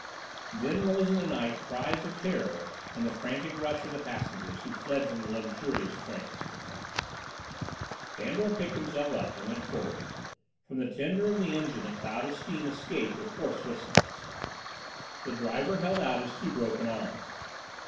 Then rose in the night cries of terror and the frantic rush of the passengers who fled from the luxurious train. Fandor picked himself up and went forward. From the tender of the engine a cloud of steam escaped with hoarse whistlings. The driver held out his two broken arms.